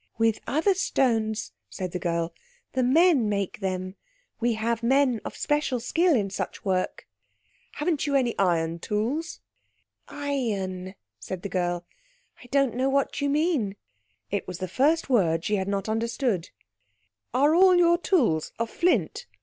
"With other stones," said the girl; "the men make them; we have men of special skill in such work." "Haven't you any iron tools?" "Iron," said the girl, "I don't know what you mean." It was the first word she had not understood. "Are all your tools of flint?"